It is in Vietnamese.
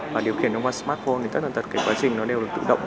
và điều khiển nó qua smartphone thì tất cả các quá trình nó đều được tự động